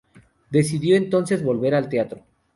Decidió entonces volver al teatro.